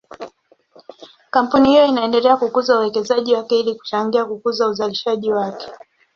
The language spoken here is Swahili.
Kampuni hiyo inaendelea kukuza uwekezaji wake ili kuchangia kukuza uzalishaji wake.